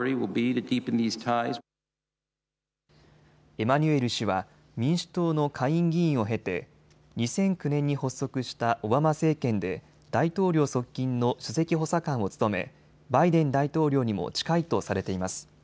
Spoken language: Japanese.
エマニュエル氏は民主党の下院議員を経て２００９年に発足したオバマ政権で大統領側近の首席補佐官を務めバイデン大統領にも近いとされています。